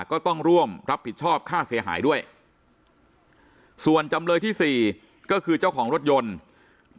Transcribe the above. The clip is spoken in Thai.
ก็ต้องร่วมรับผิดชอบค่าเสียหายด้วยส่วนจำเลยที่๔ก็คือเจ้าของรถยนต์